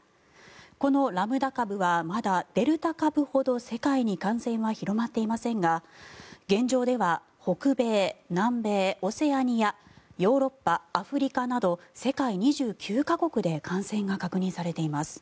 このラムダ株はまだデルタ株ほど世界に感染は広まっていませんが現状では北米、南米、オセアニアヨーロッパ、アフリカなど世界２９か国で感染が確認されています。